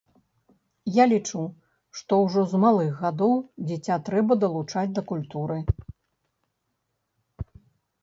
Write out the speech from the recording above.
Я лічу, што ўжо з малых гадоў дзіця трэба далучаць да культуры.